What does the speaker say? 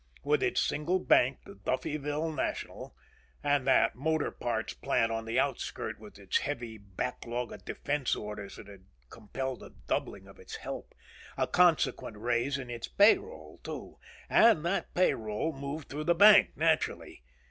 With its single bank, the Duffyville National. And that motor parts plant on the outskirts with its heavy back log of defense orders that had compelled a doubling of its help. A consequent raise in its payroll, too. And that payroll moved through the bank, naturally.